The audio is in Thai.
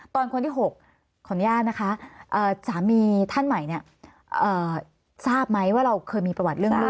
คนที่๖ขออนุญาตนะคะสามีท่านใหม่เนี่ยทราบไหมว่าเราเคยมีประวัติเรื่องลูก